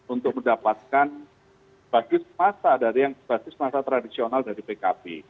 untuk mendapatkan basis masa tradisional dari pkp